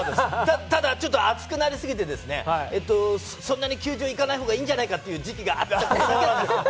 ただちょっと熱くなりすぎてですね、そんなに球場に行かない方がいいんじゃないかという時期があったんですけれど。